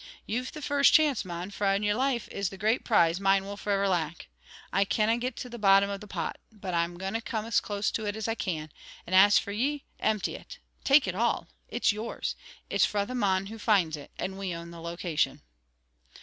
Ye've the first chance, mon, fra in your life is the great prize mine will forever lack. I canna get to the bottom of the pot, but I'm going to come close to it as I can; and as for ye, empty it! Take it all! It's yours! It's fra the mon who finds it, and we own the location."